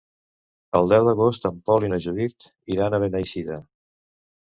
El deu d'agost en Pol i na Judit iran a Beneixida.